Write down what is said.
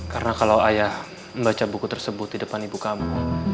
karena kalau ayah membaca buku tersebut di depan ibu kamu